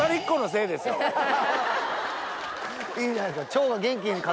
いいじゃないですか。